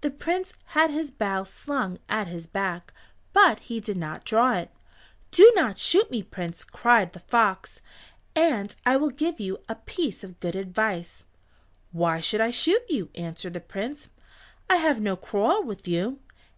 The Prince had his bow slung at his back, but he did not draw it. "Do not shoot me, Prince," cried the fox, "and I will give you a piece of good advice." "Why should I shoot you?" answered the Prince. "I have no quarrel with you.